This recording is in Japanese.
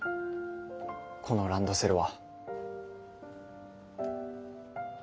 このランドセルは。